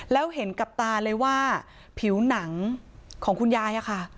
แล้วเห็นกับตาเลยว่าผิวหนังของคุณยายอะค่ะ